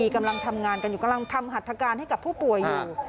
กำลังทำงานกันอยู่กำลังทำหัตถการให้กับผู้ป่วยอยู่